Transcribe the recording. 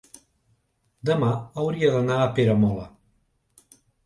demà hauria d'anar a Peramola.